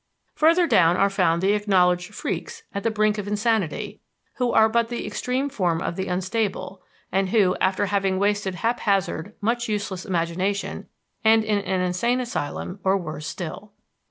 Further down are found the acknowledged "freaks" at the brink of insanity, who are but the extreme form of the unstable, and who, after having wasted haphazard much useless imagination, end in an insane asylum or worse still.